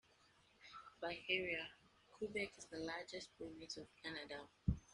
By area, Quebec is the largest province of Canada.